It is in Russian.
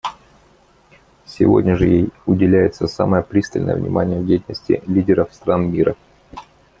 Сегодня же ей уделяется самое пристальное внимание в деятельности лидеров стран мира.